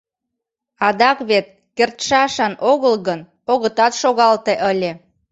Адак вет кертшашан огыл гын, огытат шогалте ыле.